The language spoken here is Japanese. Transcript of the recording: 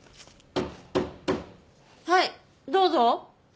・はいどうぞ。